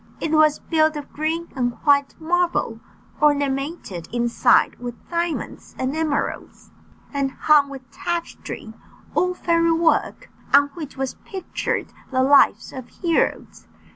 It was built of green and white marble, ornamented inside with diamonds and emeralds, and hung with tapestry all fairy work on which was pictured the lives of heroes.